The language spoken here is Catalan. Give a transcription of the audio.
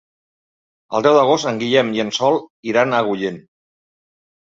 El deu d'agost en Guillem i en Sol iran a Agullent.